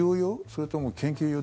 それとも研究用？